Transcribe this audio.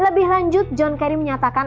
lebih lanjut john kerry menyatakan